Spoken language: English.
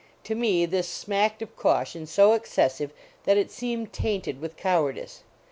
To me this smacked of caution so excessive that it seemed tainted with cow ardice.